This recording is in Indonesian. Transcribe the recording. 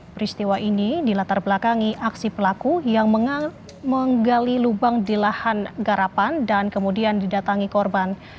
peristiwa ini dilatar belakangi aksi pelaku yang menggali lubang di lahan garapan dan kemudian didatangi korban